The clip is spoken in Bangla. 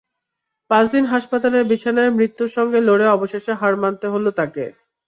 পাঁচ দিন হাসপাতালের বিছানায় মৃত্যুর সঙ্গে লড়ে অবশেষে হার মানতে হলো তাঁকে।